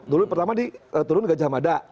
dulu pertama turun gajah mada